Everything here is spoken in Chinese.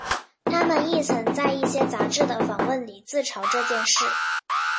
他们亦曾在一些杂志的访问里自嘲这件事。